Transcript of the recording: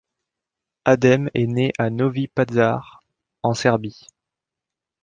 Adem est né à Novi Pazar, en Serbie.